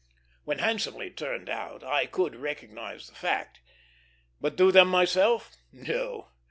When handsomely turned out, I could recognize the fact; but do them myself, no.